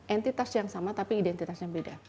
entitas yang sama tapi identitasnya beda